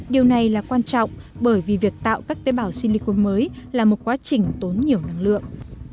điều này là quan trọng bởi vì việc tạo các tế bào silicon mới là một quá trình tốn nhiều năng lượng